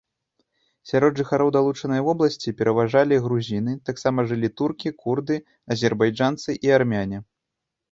Сярод жыхароў далучанай вобласці пераважалі грузіны, таксама жылі туркі, курды, азербайджанцы і армяне.